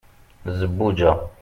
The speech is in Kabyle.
zebbuǧa